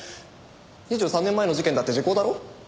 ２３年前の事件だって時効だろ？